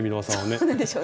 そうなんでしょうね。